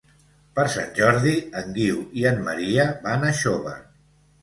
Per Sant Jordi en Guiu i en Maria van a Xóvar.